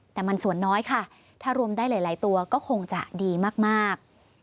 แต่มันส่วนน้อยค่ะถ้ารวมได้หลายตัวก็คงจะดีมาก